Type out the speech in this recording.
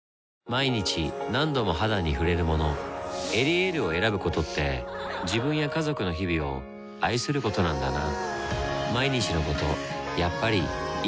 毎日何度も肌に触れるもの「エリエール」を選ぶことって自分や家族の日々を愛することなんだなぁ